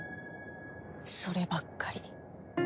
そればっかり。